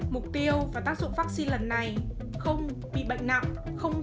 mục tiêu và tác dụng vắc xin lần này không bị bệnh nặng